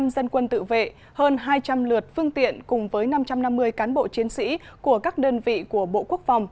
một trăm linh dân quân tự vệ hơn hai trăm linh lượt phương tiện cùng với năm trăm năm mươi cán bộ chiến sĩ của các đơn vị của bộ quốc phòng